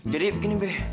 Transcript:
jadi begini be